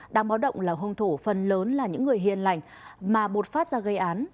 đang báo động là hôn thủ phần lớn là những người hiền lành mà bột phát ra gây án